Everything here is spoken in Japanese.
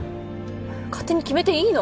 勝手に決めていいの？